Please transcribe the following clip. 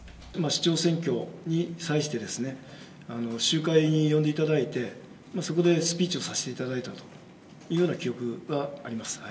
市長選挙に際して、集会に呼んでいただいて、そこでスピーチをさせていただいたというような記憶はあります。